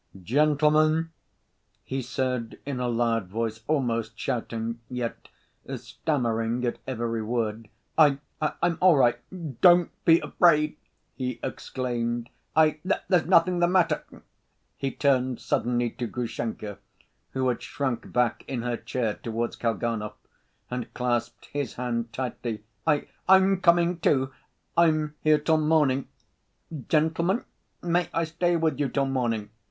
"Gentlemen," he said in a loud voice, almost shouting, yet stammering at every word, "I ... I'm all right! Don't be afraid!" he exclaimed, "I—there's nothing the matter," he turned suddenly to Grushenka, who had shrunk back in her chair towards Kalganov, and clasped his hand tightly. "I ... I'm coming, too. I'm here till morning. Gentlemen, may I stay with you till morning?